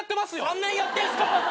３年やってんすか！？